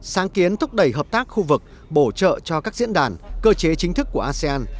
sáng kiến thúc đẩy hợp tác khu vực bổ trợ cho các diễn đàn cơ chế chính thức của asean